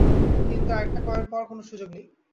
কিন্তু আরেকটা কয়েন পাওয়ার কোনো সুযোগ নেই।